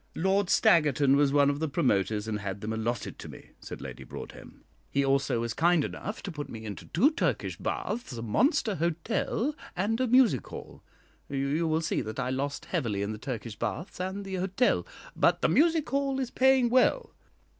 "Lord Staggerton was one of the promoters, and had them allotted to me," said Lady Broadhem. "He also was kind enough to put me into two Turkish baths, a monster hotel, and a music hall. You will see that I lost heavily in the Turkish baths and the hotel, but the music hall is paying well.